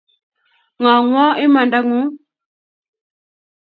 Ng’ang’wa imandang’ung’